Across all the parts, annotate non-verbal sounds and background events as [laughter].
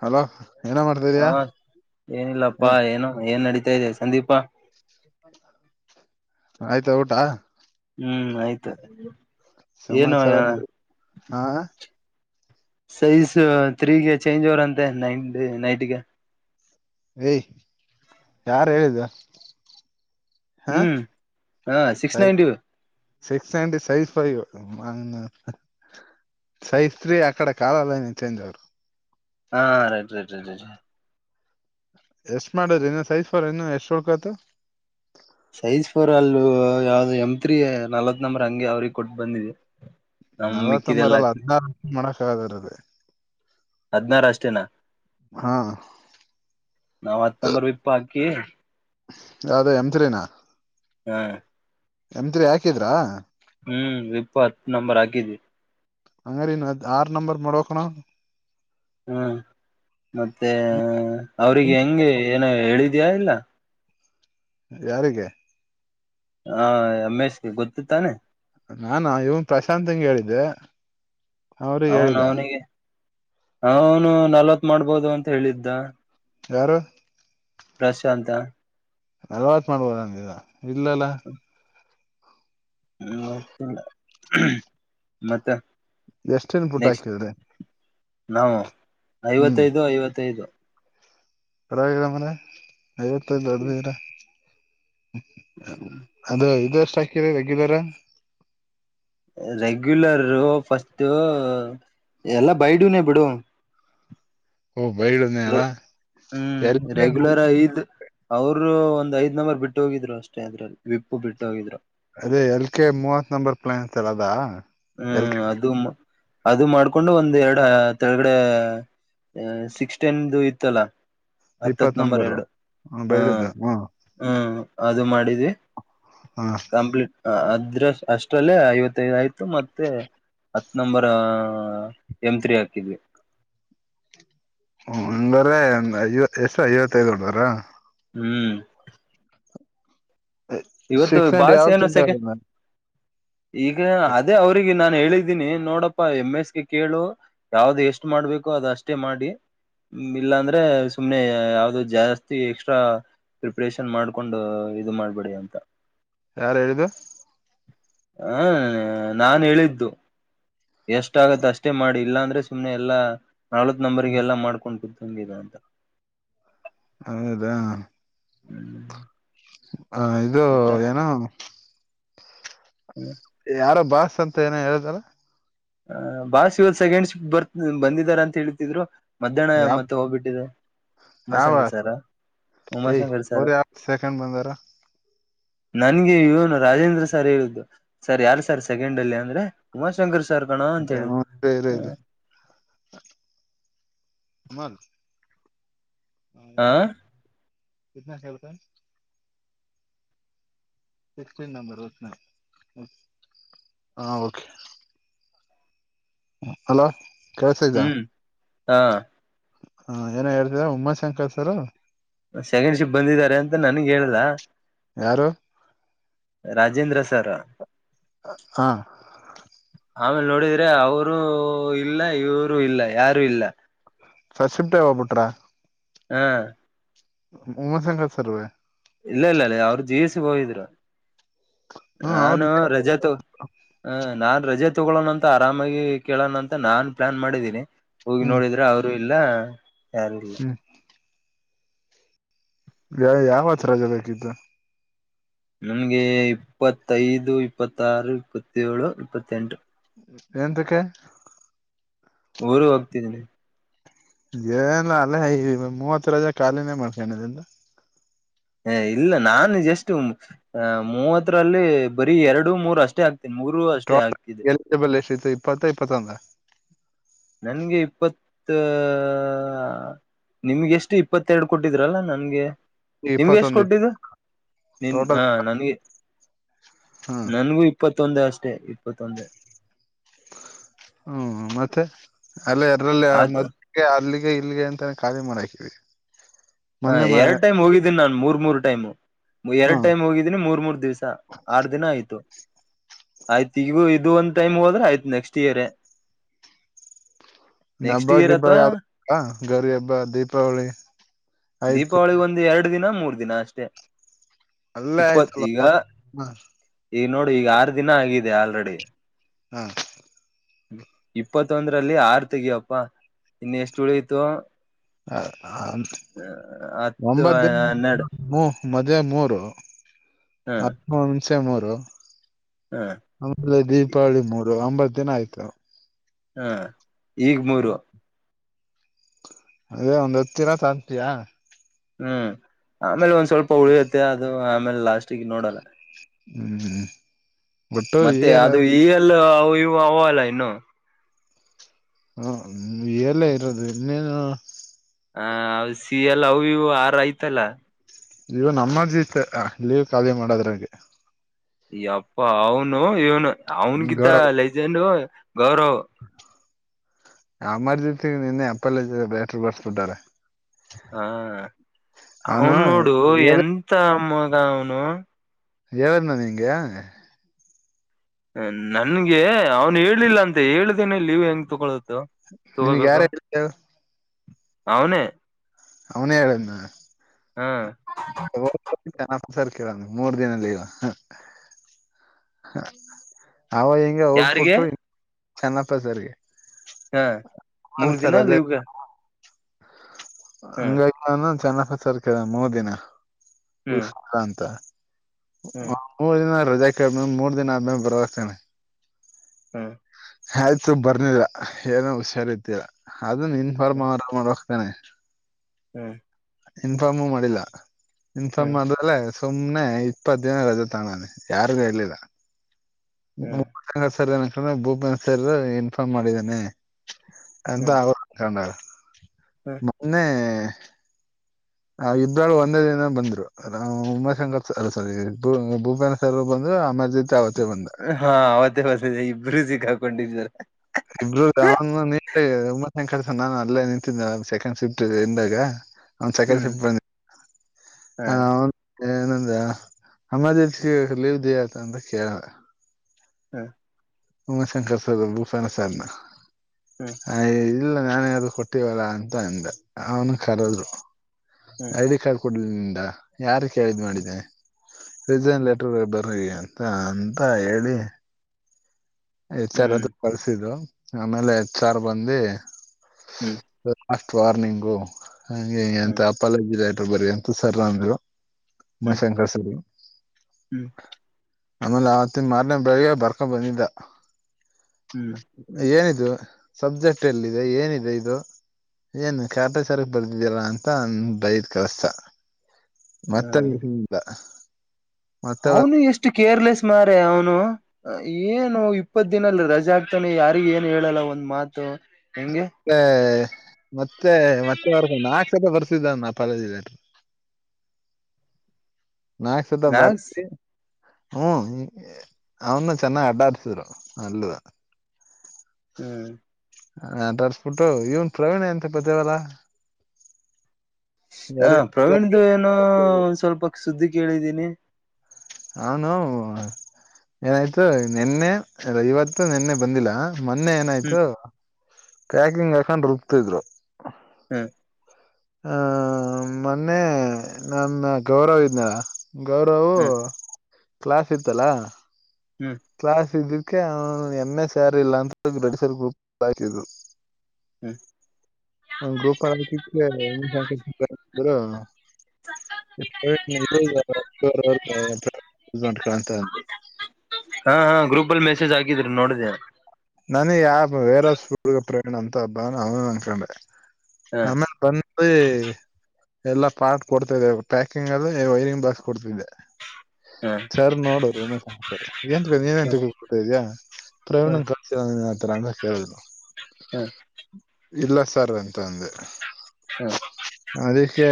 Hello ಏನೋ ಮಾಡ್ತಿದೀಯಾ ಹಾ ಏನಿಲ್ಲಪ್ಪಾ ಏನ್ ಏನು ಏನ್ ನಡೀತಾ ಇದೆ ಸಂದೀಪ್ ಆಯ್ತಾ ಊಟಾ ಹ್ಮ್ ಆಯ್ತ್ ಸಮಾಚಾರ ಹಾ ಸೈಜ್ ತ್ರೀಗೆ ಚೇಂಜ್ ಓವರಂತೆ ನೈನ್ ನೈಟಿಗೆ ಏ ಯಾರ್ ಹೇಳಿದು ಹ್ಮ್ ಹ ಸಿಕ್ಸ್ ಸೈ ನೈನ್ಟಿವು six ninety size five one size three ಆಕ್ಕಡೆ ಕಾಲಾಲೈನ ನಿಂತಕೊಂಡವರು ಹಾ ರೈಟ್ ರೈಟ್ ರೈಟ್ ರೈಟ್ ಎಷ್ಟ್ ಮಾಡ್ರಿ ಇನ್ನ ಸೈಜ್ ಫೋರ್ ಇನ ಎಷ್ಟ ಉಳ್ಕತ್ ಸೈಜ್ ಫೋರ್ ಅಲ್ಲೂ ಯಾವ್ದ ಎಮ್ ತ್ರೀ ನಲ್ವತ್ ನಂಬರ್ ಹಂಗೆ ಅವ್ರಿಗ ಕೊಟ್ಟ ಬಂದಿವಿ ನಲವತ್ತೊ ಬರಲ್ಲ ಹದ್ನಾರು ಲಕ್ಷ ಮಾಡಕ್ ಆಗಲ್ಲ ರೀ ಅದು ಹದ್ನಾರ ಅಷ್ಟೇನ ಹಾ ನಾವ್ ಹತ್ ನಂಬರ್ ವಿಪ ಹಾಕಿ ಅದೇ ಎಮ್ ತ್ರಿ ನಾ ಹ್ಮ್ ಎಮ್ ತ್ರಿ ಯಾಕಿದ್ರಾ ಹ್ಮ್ ಇಪ್ಪತ್ತ್ ನಂಬರ್ ಹಾಕಿದ್ವಿ ಅಂಗಾರ ಇನ್ನ ಆರ್ ನಂಬರ್ ಮಾಡಬೇಕಣ ಹ್ಮ್ ಮತ್ತೆ ಅವ್ರಿಗೆ ಹೆಂಗೆ ಏನೋ ಹೇಳಿದಿಯಾ ಇಲ್ಲ ಯಾರಿಗೆ ಹಾ ರಮೇಶ್ಗೆ ಗೊತ್ತುತ್ತಾನೆ ನಾನ ಇವನ್ ಪ್ರಶಾಂತಂಗ ಹೇಳಿದ್ದೆ ಅವ್ರಿಗೆ ಅವನು ಹೇಳಿದ ಅವನಿಗೆ ಅವನು ನಲ್ವತ್ ಮಾಡ್ಬೋದು ಅಂತ ಹೇಳಿದ್ದ ಯಾರು ಪ್ರಶಾಂತ ನಲ್ತ್ವತ್ತ ಮಾಡ್ಬೋದಂದಿದ್ ಇಲ್ಲಲ್ಲ [inaudible] [unintelligible] ಮತ್ತೆ ಎಷ್ಟ್ ಇನ್ ಪುಟ್ಟ ನೆಕ್ಸ್ಟ್ ಹಾಕಿದ್ರಿ ನಾವು ಹ್ಮ್ ಐವತ್ತೈದು ಐವತ್ತೈದು. ಪರವಾಗಿರ ಅಂದ್ರೆ [inaudible] ಐವತೈದು ದೊಡ್ಡದ ಇದ್ರೆ. ಅದ ಇದು ಇಷ್ಟ ಹಾಕಿರಿ ರೆಗ್ಯುಲರ್ ರೆಗ್ಯುಲರ್ ಫಸ್ಟ್ ಎಲ್ಲ ಬೈಡನೇ ಬಿಡು ಹ ಬೈಡು ನೇ ಹ್ಮ್ ರೆಗ್ಯುಲರ ಈದು. ಅವರು ಒಂದ್ಐದ್ ನಂಬರ್ ಬಿಟ್ಟು ಹೋಗಿದ್ರು ಅಷ್ಟೇ ಅದ್ರಲ್ಲಿ ವಿಪ್ಪು ಬಿಟ್ಟು ಹೋಗಿದ್ರು. ಅದೇ ಎಲ್ ಕೆ ಮೂವತ್ ನಂಬರ್ ಪ್ಲಯಾನ್ ಅಂತಲ್ಲ ಅದಾ. ಎಲ್ ಕೆ ಹ್ಮ್ ಅದು ಅದು ಮಾಡ್ಕೊಂಡು ಒಂದ್ ಎರಡ ತಳಗಡೆ... ಹು ಸಿಕ್ಸ್ ಟೆನ್ದ ಇತ್ತಲ್ಲಾ. ಹತ್ತತ್ ಇಪ್ಪತ್ ನಂಬರ್ ನಂಬರು ಎರಡು ಹ ಬೆಳ್ಳಿದ್ದು ಹ್ಮ ಹ್ಮ್ ಅದು ಮಾಡಿದ್ವಿ. ಹ್ಮ ಕಂಪ್ಲೀಟ್ ಅದ್ರ ಅಷ್ಟಲ್ಲೇ ಐವತ್ತೈದು ಆಯ್ತು ಮತ್ತೆ ಹತ್ ನಂಬರ್ ಎಂ ತ್ರಿ ಹಾಕಿದ್ವಿ. ಹ ಹಂಗಾರೆ ಐವಎಷ್ಟ ಐವತ್ತೈದ್ ಹೊಡ್ದಾರ.. ಹ್ಮ್ ಇವತ್ತು ಸಿಕ್ಸ್ ಹಂಡ್ ಬಾಸ್ ಯಾವಾಗ ಏನು ಸೆಕೆ ತಂದವ್ರನ್ನ [inaudible] ಈಗ ಅದೇ ಅವ್ರಿಗೆ ನಾನು ಹೇಳಿದ ಇದ್ದೀನಿ ನೋಡಪ್ಪ ಎಮ್ ಎಸ್ಗೆ ಕೇಳು ಯಾವ್ದ್ ಎಷ್ಟ್ ಮಾಡ್ಬೇಕು ಅದ ಅಷ್ಟೇ ಮಾಡಿ ಇಲ್ಲಾಂದ್ರೆ ಸುಮ್ನೆ ಯಾವ್ದೋ ಜಾಸ್ತಿ ಎಕ್ಸ್ಟ್ರಾ ಪ್ರಿಪ್ರೇಷನ್ ಮಾಡ್ಕೊಂಡು ಇದು ಮಾಡ್ಬೇಡಿ ಅ ಯಾರು ಹೇಳಿದು ಹ ನಾನ್ ಹೇಳಿದ್ದು. ಎಷ್ಟ ಆಗತ್ತ ಅಷ್ಟೇ ಮಾಡಿ ಇಲ್ಲಾ ಅಂದ್ರೆ ಸುಮ್ನೆ ಎಲ್ಲಾ ನಲವತ್ ನಂಬರ್ಗೆ ಎಲ್ಲಾ ಮಾಡ್ಕೊಂಡ ಕುಂತ್ಕೊಂಡಿರ್ ಅಂತ.. ಹೌದಾ [inaudible] ಹ ಇದು ಮತ್ತೆ ಏನೊ [inaudible] ಯಾರ ಬಾಸ್ ಅಂತ ಏನೋ ಹೇಳಿದಾರ ಅ ಬಾಸ್ ಇವತ್ ಸೆಂಕೆಡ್ ಶಿಫ್ಟ್ ಬರ್ ಬಂದಿದಾರ ಅಂತ ಹೇಳಿದ್ರು ಮಧ್ಯಾಹ್ನ ಯಾವ ಮತ್ತೆ ಹೋಗ್ಬಿಟ್ಟಿದೆ. ಯಾವ ಉಮಾಶಂಕ ಸರ್ [inaudible] ಉಮಾ ಏಯ್ ಶಂಕರ್ ಅವ್ರ ಸರ್. ಯಾವ ಸೆಕೆಂಡ್ ಬಂದಾರ ನನ್ಗೆ ಇವನು ರಾಜೇಂದ್ರ ಸಾರ್ ಹೇಳಿದ್ದು. ಸರ್ ಯಾರು ಸರ್ ಸೆಕೆಂಡ್ ಅಲ್ಲಿ ಅಂದ್ರೆ ಉಮಾಶಂಕರ್ ಸರ್ ಕಣೋ ಅಂತ ಹೇಳಿದ್ರು [unintelligible] [unintelligible] ಹ [unintelligible] ಇದನ್ನ ಯಾಕ್ ಹೇಳದೆ ಸಿಕ್ಸ್ಟನ ನಂಬರ್ [inaudible] ಹ ಓಕೆ ಅಲೋ ಹ್ಮ್ [inaudible] ಹಾ ಹ ಏನ ಹೇಳ್ತದೆ ಉಮಾಶಂಕರ್ ಸರು. ಸೆಕೆಂಡ್ ಶಿಫ್ಟ್ ಬಂದಿದ್ದಾರೆ ಅಂತ ನನಗ್ ಹೇಳಲ್ಲ. ಯಾರು ರಾಜೇಂದ್ರ ಸರ್.. ಹಾ ಆಮೇಲ್ ನೋಡಿದ್ರೆ ಅವರೂ ಇಲ್ಲ ಇವರು ಇಲ್ಲ ಯಾರು ಇಲ್ಲ. ರಸಿಪ್ಟೆ ಹೋಗ್ಬುಟ್ರಾ. ಹೇ ಉಮಾಶಂಕರ್ ಸರ್ವ. ಇಲ್ಲ ಇಲ್ಲ ಇಲ್ಲ ಯಾವ್ರ್ ಜೀಸಿ ಹೋಗಿದ್ರು ಹ್ಮ್ ನಾನು ಅವ್ರು ರಜಾ ತೊ ಹ ನಾನ್ ರಜೆ ತಗೊಳ್ಳೋಣ ಅಂತ ಆರಾಮಾಗಿ ಕೇಳೋಣ ಅಂತ ನಾನ್ ಪ್ಲಾನ್ ಮಾಡಿದೀನಿ. ಹೋಗಿ ಹ್ಮ್ ನೋಡಿದ್ರೆ ಅವ್ರು ಇಲ್ಲ ಯಾರು ಇಲ್ಲ. ಹ್ಮ್ ಯ ಯಾವತ್ ರಜೆ ಬೇಕಿತ್ತು. ನನ್ಗೆ ಇಪ್ಪತ್ತೈದು ಇಪ್ಪತ್ತಾರು ಇಪ್ಪತ್ತೇಳು ಇಪ್ಪತ್ತೆಂಟು. ಎಂತುಕೆ. ಊರ್ಗೆ ಹೋಗ್ತಿದ್ದೀನಿ. ಏನಿಲ್ಲ ಅಲ್ಲೇ ಮೂವತ್ ರಜ ಖಾಲಿನೇ ಮಾಡ್ಕೊಂಡಿನ್. ಹೆ ಇಲ್ಲ ನಾನು ಜಸ್ಟ್ ಮೂವತ್ರಲ್ಲಿ ಬರೀ ಎರಡು ಮೂರು ಅಷ್ಟೇ ಆಗ್ ಟ್ರೋಲಿ ಎಲಿಜಿಬಲ್ ಎಷ್ಟಿತ್ತು ಇಪ್ಪತ್ತ ಇಪ್ಪತ್ತೊಂದ. ನನ್ಗೆ ಇಪ್ಪತ್ತ ಆಆ. ನಿಮ್ಗೆ ಎಷ್ಟ ಇಪ್ಪತ್ತೆರಡು ಕೊಟ್ಟಿದ್ರಲ್ಲ ನನ್ಗೆ. ನಿಮ್ಗೆ ಎಷ್ಟ ಇಪ್ಪತ್ತೊಂದು ಇತ್ತು ಕೊಟ್ಟಿದ್ದು ನಿನ್ ಟೋಟಲ್ ಹ ನನ್ಗೆ ಹ್ಮ್ ನನ್ಗೂ ಇ ಇಪ್ಪತ್ತೊಂದೆ ಅಷ್ಟೇ ಇಪ್ಪತ್ತೊಂದೆ. ಹ್ಮ ಮತ್ತೆ ಅಲ್ಲೆ ಎರ್ರ್ಲ್ಲಿ ಆತ್ ಮ್ ಗೆ ಅಲ್ಲಿಗೆ ಇಲ್ಲಿಗೆ ಅಂತಾನೆ ಖಾಲಿ ಮಾಡಾಕಿವಿ. ಹಾ ಮೊನ್ನೆ ಮ- ಎರಡ್ ಟೈಮ್ ಹೋಗಿದ್ದೀನಿ ನಾನ್ ಮೂರ್ ಮೂರ್ ಟೈಮ್ ಎರಡ್ ಹ್ಮ್ ಟೈಮ್ ಹೋಗಿದ್ದೀನಿ ಮೂರ್ ಮೂರ್ ದಿವ್ಸ. ಆರ್ ದಿನ ಆಯ್ತು. ಆಯ್ತ ಈಗ್ ಇದು ಒಂದ್ಟೈಮ್ ಹೋದ್ರೆ ಆಯ್ತ್ ನೆಕ್ಸ್ಟ್ ಇಯರೆ. ಇನ್ ನೆಕ್ಸ್ಟ್ ಹಬ್ಬ ಇಯರ್ ಗಿಬ್ಬ ಅಥವಾ ಯಾವ್ದ ಗರಿ ಹಬ್ಬ ದೀಪಾವಳಿ. ಆಯ್ತು ದೀಪಾವಳಿಗ್ ಒಂದ್ ಎರಡ್ ದಿನ ಮೂರ್ ದಿನ ಅಷ್ಟೇ. ಅಲ್ಲೇ ಇಪ್ಪತ್ ಆಯ್ತಲ್ಲ ಈಗ ಈಗ್ ನೋಡು ಈಗ್ ಆರ್ ದಿನ ಆಗಿದೆ ಆಲ್ರೆಡಿ. ಹಾ ಇಪ್ಪತ್ತೊಂದ್ರಲ್ಲಿ ಆರ್ ತೆಗ್ಯಪ್ಪಾ ಇನ್ನ ಎಷ್ಟ ಉಳಿತು. ಹ ಹ ಹತ್ತು ಒಂಬತ್ ದಿನ್ ಹನ್ನೆರಡು ಹು. ಮದ್ವೆ ಮೂರು ಹ್ಮ ಹತ್ಮೂರ್ ಹುಣ್ಸೆ ಮೂರು. ಹಾ ಆಮೇಲೆ ದೀಪಾವಳಿ ಮೂರು ಒಂಬತ್ ದಿನ ಆಯ್ತು. ಹಾ ಈಗ್ ಮೂರು. ಅದೇ ಒಂದ್ ಹತ್ ದಿನ ತಾನ್ತಯಾ. ಹ್ಮ್ ಆಮೇಲೆ ಒಂದ್ ಸ್ವಲ್ಪ ಹುಳಿತ್ತ ಅದು ಆಮೇಲೆ ಲಾಸ್ಟಿಗೆ ನೋಡಲ್ಲ. ಹ್ಮ ಮತ್ತೆ ಅದು ಈ ಎಲ್ ಅವು ಇವು ಅವಲ್ಲ ಇನ್ನು. ಹ ವಿಯಲ್ಲೇ ಇರೋದು ಇನ್ನೇನು. ಹ ಸಿ ಎಲ್ಲ ಅವ್ ಇವ್ ಆರ್ ಐತಲ್ಲ. ಇವು ನಮಗ್ ಜಿತು ಲೀವ್ ಖಾಲಿ ಮಾಡದ್ರಾಗೆ. ಯಪ್ಪಾ ಅವ್ನು ಇವ್ನು ಅವನ್ಗಿದ್ದ ಲೆಜೆಂಡು ಗೌರವ್. ಯಮರ್ಜೆನ್ಸ ನಿನ್ನೆ ಅಪ್ಪಲಾಜಿ ಲೆಟ್ರು ಬರ್ಸ್ಬಿಟ್ಟಾರೆ. ಹ ಅವನು ಅವ್ನ್ ನೋಡು ಹೇಳ ಎಂತ ಮಗ ಅವ್ನು. ಎಳುದ್ನ ನಿನ್ಗೆ. ನನ್ಗೆ ಅವ್ನು ಹೇಳಿಲ್ಲ ಅಂತೆ ಹೇಳ್ದೇನೆ ಲೀವ್ ಹೆಂಗ್ ತೊಕೊಳೋದು. ನಿನ್ಗ್ ಯಾರ್ ಹೇಳಿದ್ ಹೇಳು. ಅವನೇ ಅವನ ಹೇಳಿದ್ನಾ. ಹ [unintelligible] ನಾ ಸರ್ ಕೇಳ ಮೂರ್ ದಿನ ಲೀವ್ ಅವ ಹಿಂಗ ಔಟ್ ಯಾರಿಗೆ ಪುಟ್ಟು ಚೆನ್ನಪ್ಪ ಸರ್ಗೆ ಹಾ ಮೂರ್ ಸರ್ ದಿನ ರಜೆ ಲೀವ್ಗ ಹಂಗಾಗಿ ನಾನ ಚನ್ನಪ್ಪ ಸರ್ಕ ಕ ಮೂರ ದಿನ ಉಷ ಹ್ಮ್ ಅಂತ ಹ್ಮ್ ಮೂರ್ ದಿನ ರಜಾ ಕೆ ಮೂರ ದಿನ ಆದ್ಮೇಲ ಬರ್ಬೇಕ ಅನಾ ಹಾ ಆಯ್ತು ಬರ್ನಿಲ್ಲ ಏನೋ ಹುಷಾರ ಅದು ಇನ್ಫಾರಮ್ ಅರ ಮಾಡ್ಬೇಕ ತಾನೇ ಹಾ ಇನ್ಫಾಮ ಮಾಡಿಲ್ಲ ಹ್ಮ್ ಇನ್ಫಾಮ ಆದ ಅಲ್ಲ ಸುಮ್ನೆ ಇಪ್ಪತ್ತ ದಿನ ರಜ ತುದಾನೆ ಯಾರಗೂ ಹೇಳಿಲ್ಲ. ಹ್ಮ್ [unintelligible] ಭೂಪೇನ್ ಸರ್ ಇನ್ಫಾರ್ಮ್ ಮಾಡಿದ್ದನೆ ಅಂತ ಹ್ಮ್ ಅವ್ ಕೊಂಡಳ ಹ್ಮ್ ಮೊನ್ನೆ ಇಬ್ಬಳ ಒಂದೇ ದಿನ ಬಂದ್ರು ಅ ಉಮಾಶಂಕ ಸ ಸರ್ ಅ ಸರಿ ಭೂಪೇನ ಸರ್ ಬಂದ್ರು ಅಮ ತಾವತ್ತ ಬಂದ ಹಾ ಅವತ್ತೇ ಇಬ್ಬರು ಸಿಕ್ಕ ಕೊಂಡಿದ್ದ ಇಬ್ರು ಅವನ ನಿ [unintelligible] ನಾನು ಅಲ್ಲೇ ನಿಂತಿದ್ದ ಸೆಕಂಡ್ ಶಿಫ್ಟ್ ಇಂದಾಗ ಒನ್ ಸೆಕೆಂಡ್ ಹ್ಮ್ ಶಿಫ್ ಬಂದ ಹಾ ಹ ಅ [unintelligible] ಹಾ ಉಮಶಂಕರ್ ಸರ್ ಭೂಷಣ ಸರ್ನ ಹ್ಮ್ ಆ ಇಲ್ಲ ನಾನೇ ಯಾ ಕೊಟ್ಟವಲ್ಲ ಅಂತ ಅಂದೆ ಅವನ ಹ್ಮ್ ಕರದ್ರು ಹ್ಮ್ ಐಡಿ ಕಾರ್ಡ್ ಕೊಡ್ಲಿಂದ ಯಾರ ಕೇಳಿದ ಹ್ಮ್ ಮಾಡಿದೆ ರಿಸೈನ ಲೆಟರ್ ಬರಿ ಅಂತ ಅಂತ ಹೇಳಿ ಹೆಚ್ ಅದ ಹ್ಮ್ ಕಳ್ಸಿದ್ದು ಆಮೇಲೆ ಹೆಚ್ ಅರ್ ಬಂದಿ ಹ್ಮ. ಲಾಸ್ಟ್ ವಾರ್ನಿಂಗ ಹಗೆ ಹಿಂಗ ಹ್ಮ್ ಅಂತ ಅಪಾಲಜಿ ಲೆಟರ್ ಬರ ಅಂತ ಸರ್ ಅಂದ್ರು. ಮ ಶಂಕರ ಸರ. ಹ್ಮ. ಆಮೇಲ ಆತ್ತಿನ ಮಾರ್ನೆ ಬೆಳಿಗ್ ಬರ್ಕೊ ಬಂದಿದ್ದ. ಹ್ಮ್ ಏನಿದು ಸಬ್ಜೆಕ್ಟ್ ಎಲ್ಲಿದೆ ಏನಿದೆ ಇದು. ಏನ್ ಕಾಟಾಚಾರಕ ಬರ್ದಿದ್ಯಲ ಅಂತ ಅ ಬೈದ ಕಲ್ಸದ. ಹ ಮತ್ತ [unintelligible] ಅವ್ನು ಎಷ್ಟ ಕೇರ್ಲೆಸ್ ಮಾರ ಅವನು ಏನು ಇಪ್ಪತ ದಿನಲ್ಲ ರಜೆ ಹಾಕ್ತಾನೆ ಯಾರಿಗ ಏನ್ ಹೇಳಲ್ಲ ಒಂದ್ ಮಾತು ಹೆಂಗೆ ಎ ಮತ್ತೆ ಮತ್ತೆ ವರ್ಷ ನಾಕ ಸತಿ ಬರ್ಸಿದ್ದಾನ ಅಪಾಲಜಿ ಲೇಟ [inaudible] ನಾಕ ಸತ ಮ್ಯಾಕ್ಸ್ ಬರ್ರ ಹ್ಮ ಅವ್ನು ಚೆನ್ನಾಗ ಅಡಾಡ್ಸರು ಅಲ್ಲಿ ಹ್ಮ. ಆಟಾಡ್ಸ್ಬಿಟ್ಟು ಇವನ ಪ್ರವೀಣ್ ಎಂತ ಬತೇವಲ್ಲಾ. ಹ ಎರಡು ಪ್ರವೀಣ್ದ ಏನೋ ಸ್ವಲ್ಪ ಸುದ್ದಿ ಕೇಳಿದೀನಿ. ಅವನು ಏನಾಯ್ತು ನಿನ್ನೆ ಇವತ್ತು ನಿನ್ನೆ ಬಂದಿಲ್ಲ. ಮನ್ನೆ ಏನಾಯ್ತು ಹ್ಮ್ ಪ್ಯಾಕಿಂಗ್ ಹಾಕೊಂದ ರೂಬತಿದ್ರು. ಹು ಹ ಮೊನ್ನೆ ನನ್ನ ಗೌರವಿಂದ. ಗೌರವು ಹ್ಮ್ ಕ್ಲಾಸ್ ಇತ್ತಲಾ. ಹು ಕ್ಲಾಸ್ ಇದಕ್ಕೆ ಅವನು ಎಮ ಎಸ್ ಯ್ಯಾರು ಇಲ್ಲಾ ಅಂತ ಬಿಡಿಸಿ ಗ್ರೂಪ್ ಕ್ಲಾಸ್ ಬದ್ಲಿಯಿಸಿದ್ರೂ. ಹ್ಮ್ ಗ್ರೂಪಲ್ಲಿ ಗುರು ಸಪ್ರೇಟ್ ನೀಡೋಲ್ಲಾ ಬೆರೋರಿಗೆ ಮಾಡ್ಲಾಕ. ಹಾ ಹಾ ಗ್ರೂಪಲ್ಲಿ ಮೆಸೇಜ್ ಹಾದ್ರ ನೋಡಿದಾ. ನಾನೆ ಯಾಪ ಬೇರ ಹುಗ ಪ್ರೇಣ ಅಂತ ಹಬ್ಬಾನ ಅವನು ಅನ್ಕೊಂಡೆ ಹ ಆಮೇಲೆ ಬಂದ. ಯೆಯೇ ಎಲ್ಲಾ ಪಾರ್ಟ್ ಕೊಡ್ತಾದೆ ಪ್ಯಾಕಿಂಗ್ ಅದು ವೈರಿಂಗ್ ಬಾಕ್ಸ್ ಕೊಡ್ತಿದ್ದೆ. ಹ ಸರ ನೋಡೋ ಉಮಾ ಸರ ಏನಡ್ರಿ ಹ ಏನಂತಿಳ್ಕೋಬೇಕು ಇದ್ಯಾ ಹ ಪ್ರವೀಣ ಕರದ್. ಸರ್ ಆತರಾ ಅಂದ್ರ ಹೇಳ್ಬೇಕು. ಹ ಇಲ್ಲಾ ಸರ್ ಅಂತ ಅಂದೆ. ಹಾ. ಅದಿಕ್ಕೆ.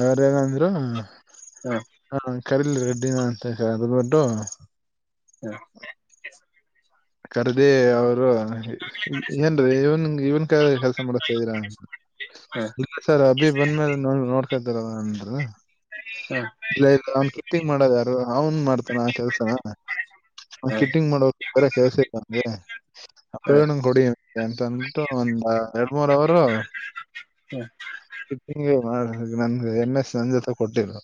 ಅವರೇನದ್ರು. ಹಾ. ಹಾ ಕರಿಇಲ್ಲಿ ರೆಡ್ಡಿನಂತ ಹೇಳ್ಬಿಟ್ಟು. ಹಾ. ಕರ್ದಿ ಅವರು. ಹ ಹೇಳಿ ಎ ಎಂಡ್ರಿ ಇವನ್ ಇವನ್ ಕೈಲಿ ಕೆಲ್ಸ ಮಾಡಸ್ತಾ ಇದೀರಾ. ಹಾ ಹಾ ಬುಲ್ಲಾ ಸರ ಅಭೀ ಬಂದ್ಮೇಲೆ ನಾನು ನೋಡ್ಕತಾರಲ್ಲ ಅಂದ್ರ. ಕರಿ ಅಕಿನ ಹು. ಇಲ್ಲಾ ಇಲ್ಲಾ ಅವ್ನ್ ಕಿಟಿಂಗ್ ಮಾಡದ ಯಾರು ಅವನ್ ಮಾಡ್ತಾನ ಆ ಕೆಲ್ಸ. ಹ ಕಿಟ್ಟಿಂಗ್ ಮಾಡೋರ ಕೆಲಸ ಐತಿ ಅವಂಗೆ. ಹಾ ಪ್ರವೀಣ್ ಹಾ ಕೊಡಿ ಅಂತ ಅಂದಬಿಟ್ಟು ಒಂದ ಎರಡ ಮೂರ ಅವರು. ಕಿಪಿಂಗ ಮಾಡ ನನಗ ಎಮ ಎಸ ನನ ಜೊತೆ ಕೊಟ್ಟಿದ್ರು.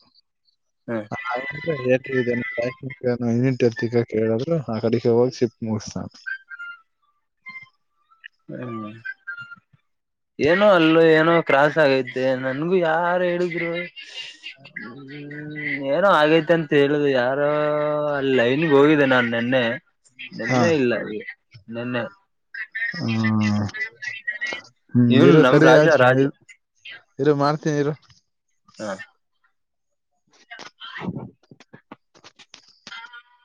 ಹಾ ಆದ್ರೂ ಎಷ್ಟ ಹೇಳಿದೆನು ಸಾಯಬರನ ಕೇಳಿದರು ಆ ಕಡೆಗೆ ಹೋಗಿ ಸಿಟ್ ಮುಗಸ್ತಾನಂತ. ಹ ಏನೋ ಅಲ್ಲಿ ಏನೋ ಕ್ರಾಸ್ ಆಗೈತೆ ನನಗು ಯಾರು ಹೇಳಿದ್ರು. ಹು ಏನೋ ಆಗೈತಿ ಅಂತ ಹೇಳುದ್ರು ಯಾರೊ. ಹ ಅಲ್ಲಿ ಲೈನಿಗೆ ಹೋಗಿದ್ದೆ ನಾನ ನಿನ್ನೆ ಹಾ ನಿನ್ನೆ ಇಲ್ಲ ನಿನ್ನೆ. ನೋಡಿಲ್ಲ ಅಪ್ಪಿ ಅವಾ. ಹು ಹು ಇರು ರಾಜ ಸರಿಯಾಯ್ತು ರಾಜ ಇರು ಮಾಡ್ತೀನಿ ಇರು. ಹಾ ಹಾಯ್